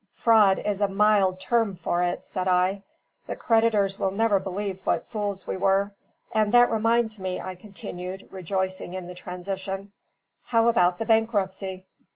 "Fraud is a mild term for it," said I. "The creditors will never believe what fools we were. And that reminds me," I continued, rejoicing in the transition, "how about the bankruptcy?"